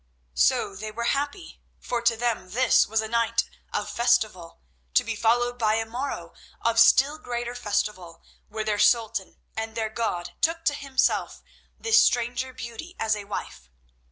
So they were happy, for to them this was a night of festival, to be followed by a morrow of still greater festival, when their sultan and their god took to himself this stranger beauty as a wife.